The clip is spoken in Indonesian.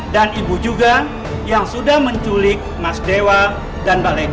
ibu juga yang sudah menculik mas dewa dan mbak legno